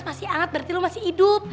masih hangat berarti lo masih hidup